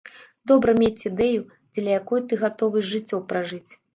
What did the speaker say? Добра мець ідэю, дзеля якой ты, гатовы жыццё пражыць.